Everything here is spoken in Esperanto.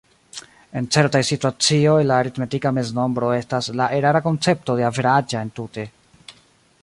En certaj situacioj, la aritmetika meznombro estas la erara koncepto de "averaĝa" entute.